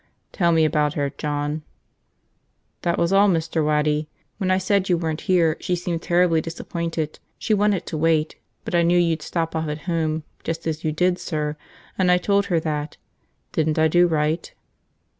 "Tell me about her, John." "That was all, Mr. Waddy. When I said you weren't here she seemed terribly disappointed. She wanted to wait. But I knew you'd stop off at home, just as you did, sir, and I told her that. Didn't I do right?"